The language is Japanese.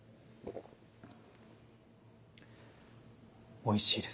おいしいです。